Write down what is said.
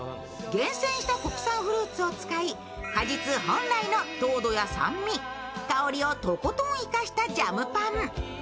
厳選した国産フルーツを使い果実本来の糖度や酸味、香りをとことん生かしたジャムパン。